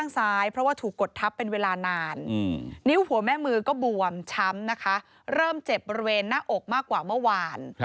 นิ้วหัวแม่มือก็บวมช้ำนะคะเริ่มเจ็บบริเวณหน้าอกมากกว่าเมื่อวาน